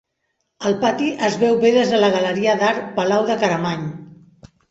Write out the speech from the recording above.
El pati es veu bé des de la galeria d'art Palau de Caramany.